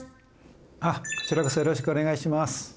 あっこちらこそよろしくお願いします。